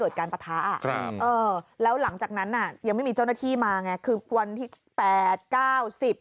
เออแล้วหลังจากนั้นน่ะยังไม่มีเจ้าหน้าที่มาไงคือวันที่แปดเก้าสิบ